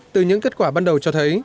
từ những kết quả ban đầu cho thấy